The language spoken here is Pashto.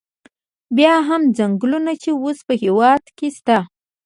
بیا هم څنګلونه چې اوس په هېواد کې شته.